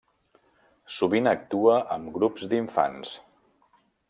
Sovint actua amb grups d'infants.